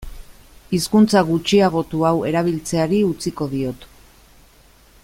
Hizkuntza gutxiagotu hau erabiltzeari utziko diot.